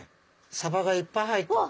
サバがいっぱい入ってる。